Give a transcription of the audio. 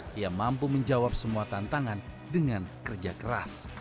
dia mampu menjawab semua tantangan dengan kerja keras